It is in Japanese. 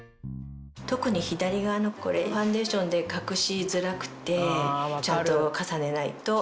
特に左側のこれファンデーションで隠しづらくてちゃんと。